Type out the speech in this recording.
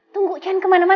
tunggu jangan kemana mana